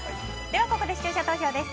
ここで視聴者投票です。